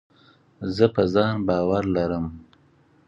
زه په ځان باور لرم.